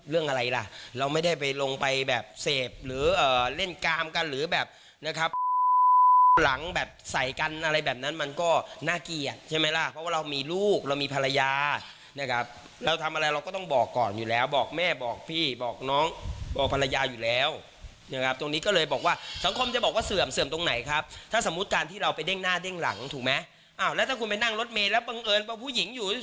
เรื่องอะไรล่ะเราไม่ได้ไปลงไปแบบเสพหรือเล่นกามกันหรือแบบนะครับหลังแบบใส่กันอะไรแบบนั้นมันก็น่าเกลียดใช่ไหมล่ะเพราะว่าเรามีลูกเรามีภรรยานะครับแล้วทำอะไรเราก็ต้องบอกก่อนอยู่แล้วบอกแม่บอกพี่บอกน้องบอกภรรยาอยู่แล้วนะครับตรงนี้ก็เลยบอกว่าสังคมจะบอกว่าเสื่อมเสื่อมตรงไหนครับถ้าสมมุติการที่เราไปเด้ง